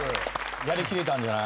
やりきれたんじゃない？